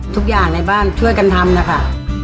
ทุกอย่างในบ้านช่วยกันทำนะคะ